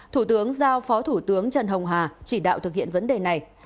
thủ tướng giao phó thủ tướng trần hồng hà chỉ đạo thực hiện vấn đề này